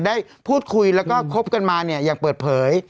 ได้พูดคุยแล้วก็คบกันมาเนี่ยอย่างเปิดเผย